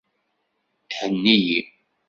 Henni-yi.